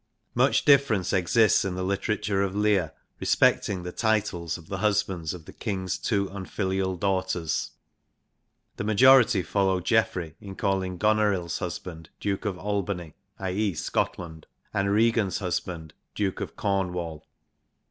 Much difference exists in the literature of Lear respecting the titles of the husbands of the King's two unfilial daughters. The majority follow Geoffrey in calling Goneril's husband Duke of Albany (/. e. Scotland), and Regan's husband, Duke of Cornwall.